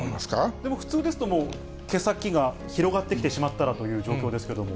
でも普通ですと、毛先が広がってきてしまったらという状況ですけれども。